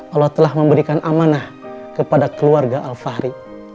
allah telah memberikan amanah kepada keluarga al fahri